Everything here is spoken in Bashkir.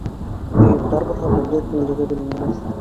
Өйөң тар булһа, донъя киңлеге беленмәҫ.